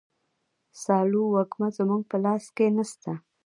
سالو وږمه زموږ په لاس کي نسته.